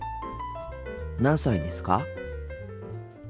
何歳ですか？